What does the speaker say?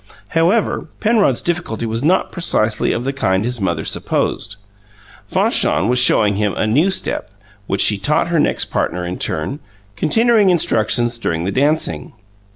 However, Penrod's difficulty was not precisely of the kind his mother supposed. Fanchon was showing him a new step, which she taught her next partner in turn, continuing instructions during the dancing.